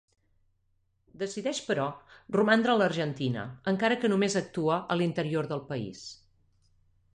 Decideix, però, romandre a l'Argentina, encara que només actua a l'interior del país.